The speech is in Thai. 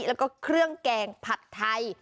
แล้วก็เครื่องแกงผัดไทย